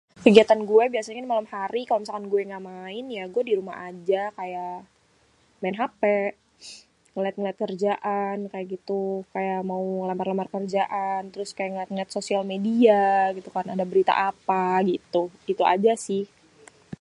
Kegiatan gué biasanya dimalam hari kalau misalkan gué éngga main ya gué dirumah aja, kaya main HP, ngeliat-liat kerjaan yang kaya gitu, kaya mau ngélamar-lamar kérjaan térus kaya ngéliat-liat sosial media gitukan ada berita apa gitu, gitu aja si.